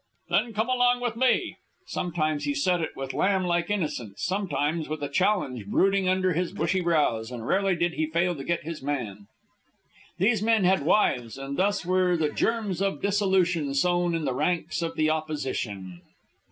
Then come along with me." Sometimes he said it with lamb like innocence, sometimes with a challenge brooding under his bushy brows, and rarely did he fail to get his man. These men had wives, and thus were the germs of dissolution sown in the ranks of the opposition.